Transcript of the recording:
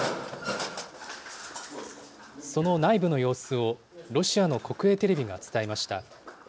その内部の様子を、ロシアの国営テレビが伝えました。